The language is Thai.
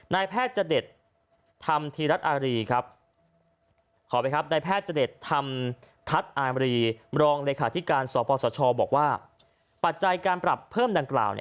นายแพทย์เจดิตธรรมธรรดิหรอกว่าปัจจัยการปรับเพิ่มดังกล่าว